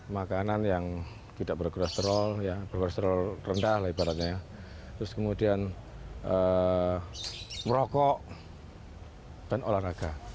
makanan yang tidak berkolesterol berkolesterol rendah lah ibaratnya terus kemudian merokok dan olahraga